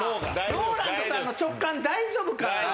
ＲＯＬＡＮＤさんの直感大丈夫かな。